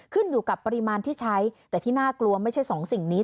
ขึ้นอยู่กับปริมาณที่ใช้แต่ที่น่ากลัวไม่ใช่สองสิ่งนี้